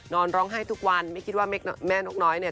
นอนร้องไห้ทุกวันไม่คิดว่าแม่นกน้อยเนี่ย